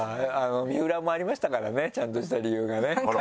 水卜もありましたからねちゃんとした理由がね。